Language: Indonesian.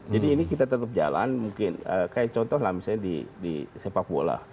jadi ini kita tetap jalan mungkin kayak contoh lah misalnya di sepak bola